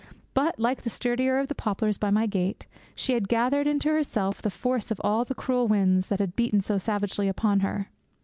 But, like the sturdier of the poplars by my gate, she had gathered into herself the force of all the cruel winds that had beaten so savagely upon her.